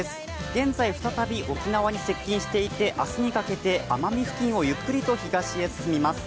現在再び沖縄に接近していて明日にかけて奄美付近をゆっくりと東に進みます。